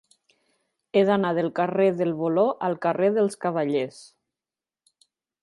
He d'anar del carrer del Voló al carrer dels Cavallers.